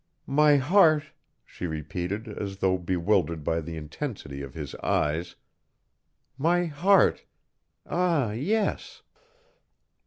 "My heart " she repeated, as though bewildered by the intensity of his eyes, "my heart ah yes!"